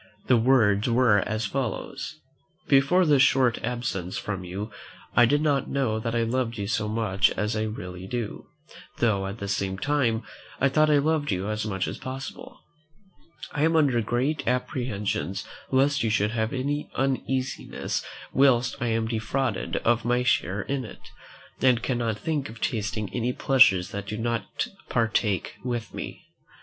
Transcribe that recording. The words were as follows: "Before this short absence from you, I did not know that I loved you so much as I really do; though, at the same time, I thought I loved you as much as possible. I am under great apprehensions lest you should have any uneasiness whilst I am defrauded of my share in it, and cannot think of tasting any pleasures that you do not partake with me.